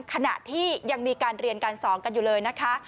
ขณะที่ยังมีการเรียนการสอนกันอยู่เลยนะคะ